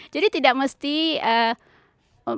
jadi tidak mesti kemudian melarang orang untuk berdiri di depan umum